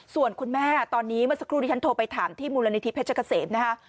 ส่วนคุณแม่ตอนนี้เมื่อสักครู่ที่ฉันโทรไปถามที่มูลนิธิเพชรเกษมนะคะ